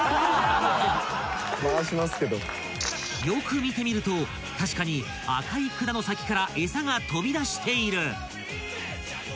［よく見てみると確かに赤い管の先から餌が飛び出している］